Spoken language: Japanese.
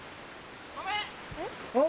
・ごめん！